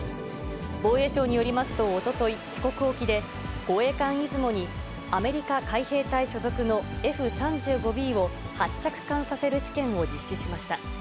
防衛省によりますと、おととい、四国沖で、護衛艦いずもにアメリカ海兵隊所属のＦ３５Ｂを発着艦させる試験を実施しました。